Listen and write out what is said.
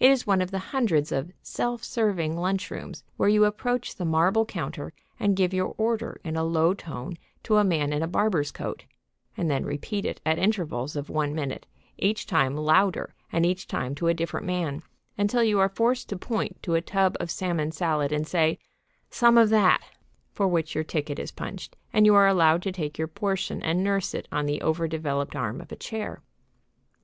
It is one of the hundreds of "self serving" lunchrooms, where you approach the marble counter and give your order in a low tone to a man in a barber's coat, and then repeat it at intervals of one minute, each time louder and each time to a different man, until you are forced to point to a tub of salmon salad and say, "Some of that," for which your ticket is punched and you are allowed to take your portion and nurse it on the over developed arm of a chair.